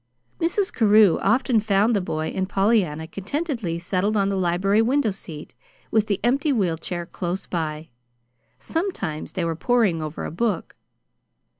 Mrs. Carew often found the boy and Pollyanna contentedly settled on the library window seat, with the empty wheel chair close by. Sometimes they were poring over a book.